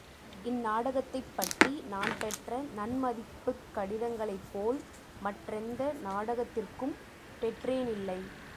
இந்நாடகத்தைப் பற்றி நான் பெற்ற நன்மதிப்புக் கடிதங்களைப்போல் மற்றெந்த நாடகத்திற்கும் பெற்றேனில்லை.